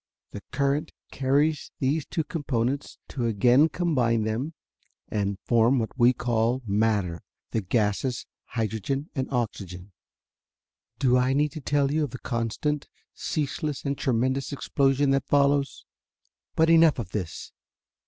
The current carries these two components to again combine them and form what we call matter, the gases hydrogen and oxygen. "Do I need to tell you of the constant, ceaseless and tremendous explosion that follows? "But enough of this!